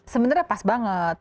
sebenarnya pas banget